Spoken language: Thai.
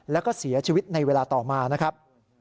แล้วก็เสียชีวิตในเวลาต่อมานะครับ